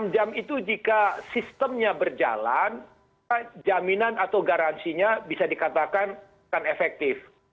enam jam itu jika sistemnya berjalan jaminan atau garansinya bisa dikatakan akan efektif